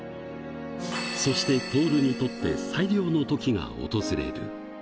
そして徹にとって最良のときが訪れる。